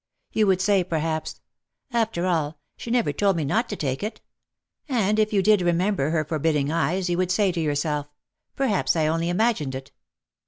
You would say perhaps, "After all, she never told me not to take it." And if you did remember her forbidding eyes you would say to yourself : "Perhaps I only imagined it."